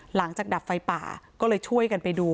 หลังจากดับไฟป่าก็เลยช่วยกันไปดู